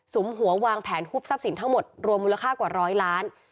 มหัววางแผนฮุบทรัพย์สินทั้งหมดรวมมูลค่ากว่าร้อยล้าน